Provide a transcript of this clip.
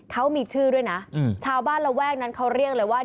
เขามีชื่อด้วยนะชาวบ้านระแวกนั้นเขาเรียกเลยว่า